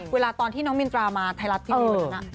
เวลาตอนที่น้องมินตรามาไทยรัฐทีวีวันนั้น